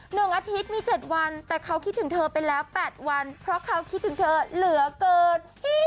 อาทิตย์มีเจ็ดวันแต่เขาคิดถึงเธอไปแล้วแปดวันเพราะเขาคิดถึงเธอเหลือเกิน